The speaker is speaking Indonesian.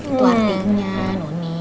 itu artinya nuni